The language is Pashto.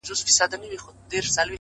هره موخه د تمرکز غوښتنه کوي؛